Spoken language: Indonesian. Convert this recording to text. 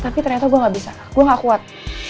tapi ternyata gue gak bisa gue gak kuat